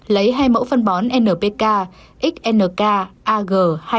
lấy hai mẫu phân bón npk xnk ag hai nghìn hai mươi một nghìn năm trăm linh một